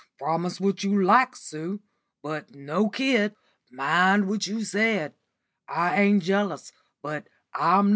"Promise what you like, Sue, but no kid. Mind what you said. I ain't jealous, but I'm No.